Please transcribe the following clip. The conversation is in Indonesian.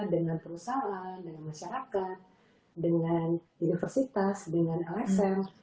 dengan perusahaan dengan masyarakat dengan universitas dengan lsm